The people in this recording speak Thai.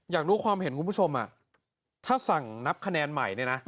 อยากรู้ความเห็นคุณผู้ชมถ้าสั่งนับคะแนนใหม่เนี่ยนะ